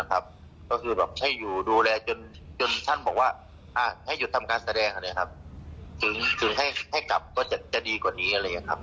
ก็คือให้อยู่ดูแลจนท่านบอกว่าให้หยุดทำการแสดงถึงให้กลับก็จะดีกว่านี้